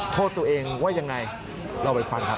โทษตัวเองว่ายังไงเราไปฟังครับ